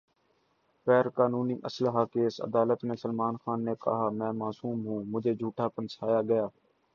غیر قانونی اسلحہ کیس : عدالت میں سلمان خان نے کہا : میں معصوم ہوں ، مجھے جھوٹا پھنسایا گیا